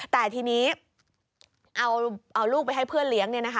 แต่ทีนี้เอาลูกไปให้เพื่อนเลี้ยง